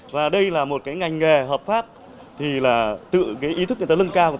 và đây là một cái ngành nghề hợp pháp thì là tự cái ý thức người ta lân cao